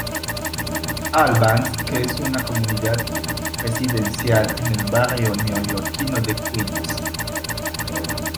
Albans, que es una comunidad residencial en el barrio neoyorquino de Queens.